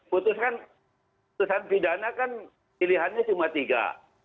putusan putusan pidana kan pilihannya cuma tiga